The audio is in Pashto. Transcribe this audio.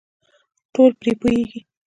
ټول پرې پوهېږي .